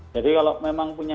jadi kalau memang punya